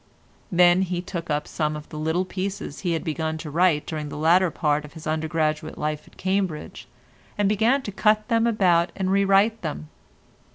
Then he took up some of the little pieces he had begun to write during the latter part of his undergraduate life at Cambridge, and began to cut them about and re write them.